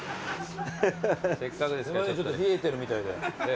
すいませんちょっと冷えてるみたいで。